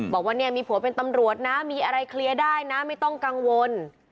บอกว่าเนี่ยมีผัวเป็นตำรวจนะมีอะไรเคลียร์ได้นะไม่ต้องกังวล